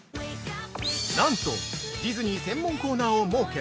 ◆なんとディズニー専門コーナーを設け